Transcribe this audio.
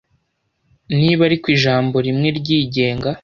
Niba ariko ijambo rimwe ryigenga